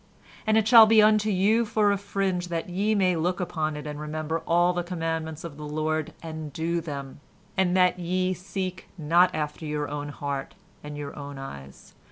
"And it shall be unto you for a fringe, that ye may look upon it and remember all the commandments of the Lord, and do them, and that ye seek not after your own heart and your own eyes.